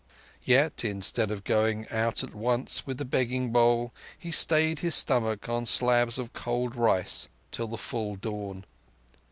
Yet, instead of going out at once with the begging bowl, he stayed his stomach on slabs of cold rice till the full dawn.